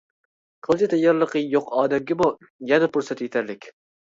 قىلچە تەييارلىقى يوق ئادەمگىمۇ يەنە پۇرسەت يېتەرلىك.